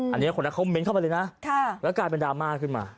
อันนี้คนนั้นเขาเน้นเข้าไปเลยนะแล้วกลายเป็นดราม่าขึ้นมา